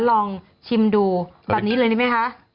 ลองชิมดูแบบนี้เลยได้ไหมคะ